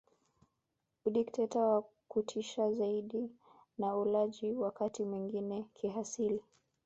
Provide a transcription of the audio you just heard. Udikteta wa kutisha zaidi na ulaji wakati mwingine kihalisi